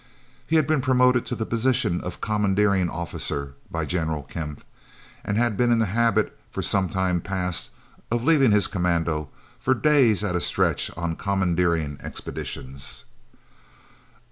He had been promoted to the position of commandeering officer by General Kemp and had been in the habit, for some time past, of leaving his commando for days at a stretch on commandeering expeditions.